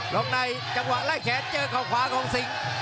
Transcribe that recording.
ล็อกในจังหวะลายแขนเจอขวาของซิงค์